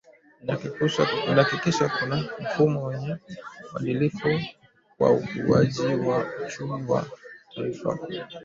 inahakikisha kuna mfumo wenye uadilifu kwa ukuaji wa uchumi wa taifa